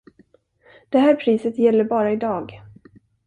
Det här priset gäller bara i dag.